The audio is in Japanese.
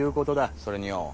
それによォ